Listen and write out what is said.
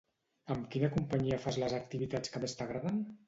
Amb quina companyia fas les activitats que més t'agraden?